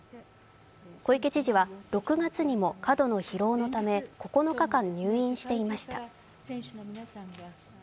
小池知事は６月にも過度の疲労のため９日間入院していました。